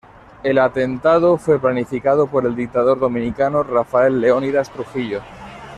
El atentado fue planificado por el dictador dominicano Rafael Leónidas Trujillo.